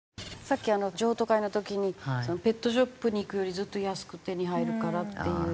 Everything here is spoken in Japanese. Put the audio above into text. さっき譲渡会の時に「ペットショップに行くよりずっと安く手に入るから」っていう。